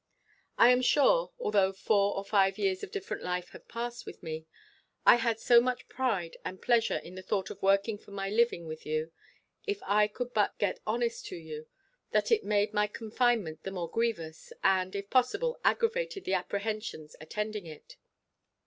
I am sure, although four or five years of different life had passed with me, I had so much pride and pleasure in the thought of working for my living with you, if I could but get honest to you, that it made my confinement the more grievous, and, if possible, aggravated the apprehensions attending it.